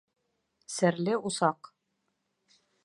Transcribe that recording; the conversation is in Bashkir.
СЕРЛЕ УСАҠ